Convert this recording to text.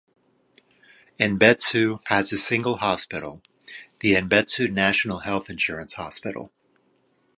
Enbetsu has a single hospital, the Enbetsu National Health Insurance Hospital.